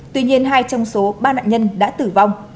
tuy nhiên hai trong số ba nạn nhân đã tử vong